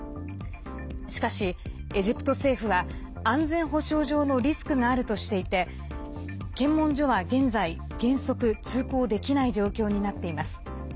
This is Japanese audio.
しかし、エジプト政府は安全保障上のリスクがあるとしていて検問所は現在、原則通行できない状況になっています。